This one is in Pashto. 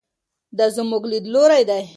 دا زموږ لیدلوری دی.